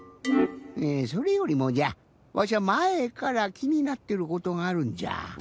それよりもじゃわしゃまえから気になってることがあるんじゃ。